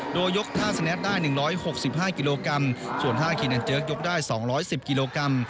โดยยกท่าสแนทได้๑๖๕กิโลกรัมส่วนท่าคีแนนเจิกยกได้๒๑๐กิโลกรัม